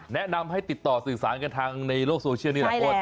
แนะนำให้ติดต่อสื่อสารกันทางในโลกโซเชียลนี่แหละว่า